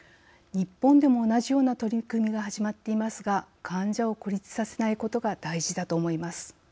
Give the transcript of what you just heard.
日本でも同じような取り組みが始まっていますが患者を孤立させないことが大事だと思います。